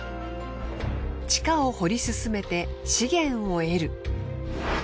地下を掘り進めて資源を得る。